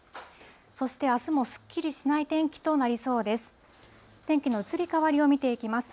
そしてあすもすっきりしない天気となりそうです。